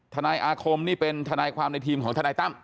นายอาคมนี่เป็นทนายความในทีมของทนายตั้ม